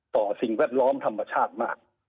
สิ่งแวดล้อมธรรมชาติมาก